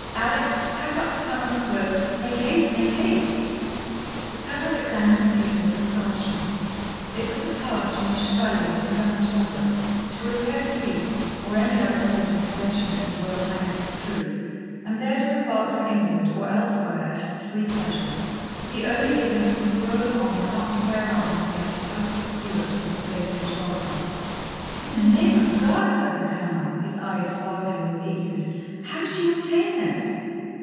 Alick, pack up the Colonel's clothes. Make haste, make haste.' The Colonel examined the paper with astonishment. It was a pass from the Chevalier to Colonel Talbot, to repair to Leith, or any other port in possession of his Royal Highness's troops, and there to embark for England or elsewhere, at his free pleasure; he only giving his parole of honour not to bear arms against the house of Stuart for the space of a twelve month. 'In the name of God,' said the Colonel, his eyes sparkling with eagerness, 'how did you obtain this?'